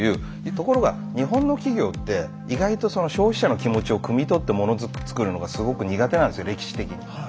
ところが日本の企業って意外とその消費者の気持ちをくみ取ってもの作るのがすごく苦手なんですよ歴史的に。はいはい。